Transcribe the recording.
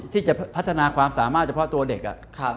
ที่จะพัฒนาความสามารถเฉพาะตัวเด็ก